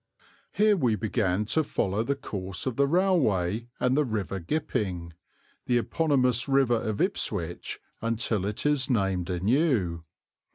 Here we began to follow the course of the railway and the River Gipping, the eponymous river of Ipswich until it is named anew.